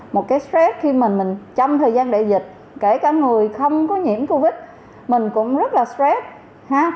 một cái stress khi mà mình trong thời gian đại dịch kể cả người không có nhiễm covid mình cũng rất là stress